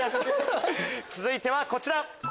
続いてはこちら！